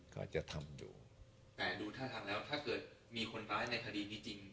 ก็จะทำดูแต่ดูท่าทางแล้วถ้าเกิดมีคนร้ายในคดีนี้จริง